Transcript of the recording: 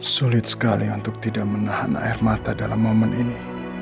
sulit sekali untuk tidak menahan air mata dalam momen ini